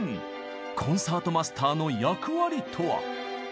コンサートマスターの役割とは？